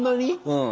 うん。